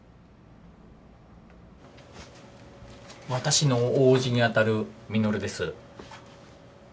私の大伯父にあたる實です。